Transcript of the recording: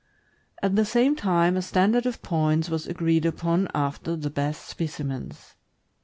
At the same time, a standard of points was agreed upon after the best specimens.